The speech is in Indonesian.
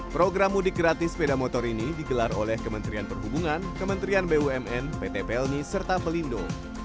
program mudik gratis sepeda motor ini digelar oleh kementerian perhubungan kementerian bumn pt pelni serta pelindo